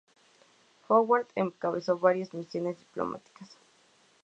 Howard encabezó varias misiones diplomáticas.